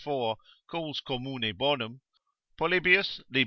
4, calls Commune bonum, Polybius lib.